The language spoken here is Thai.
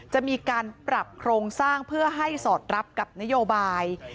จะมีการปรับโครงสร้างเพื่อให้สอดรับกับนโยบาย